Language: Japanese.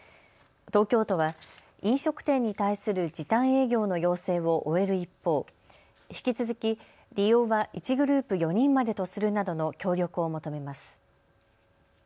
東京都は飲食店に対する時短営業の要請を終える一方、引き続き、利用は１グループ４人までとするなどの協力を求めます。